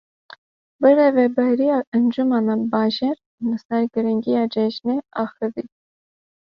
Birêveberiya Encumena Bajêr li ser girîngiya cejinê axivî.